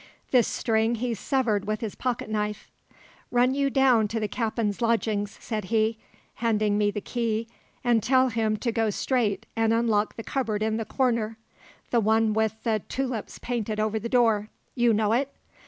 This string he severed with his pocket knife. "Run you down to the cap'n's lodgings," said he, handing me the key, "an' tell him to go straight an' unlock the cupboard in the cornder the one wi' the toolips painted over the door. You know it?